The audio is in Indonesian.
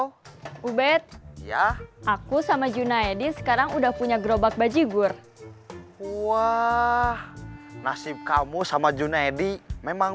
halo ubed ya aku sama junaedi sekarang udah punya gerobak baji gur wah nasib kamu sama junaedi memang